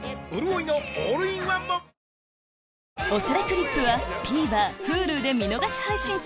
『おしゃれクリップ』はＴＶｅｒＨｕｌｕで見逃し配信中